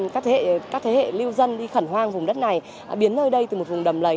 các thế hệ lưu dân đi khẩn hoang vùng đất này biến nơi đây từ một vùng đầm lầy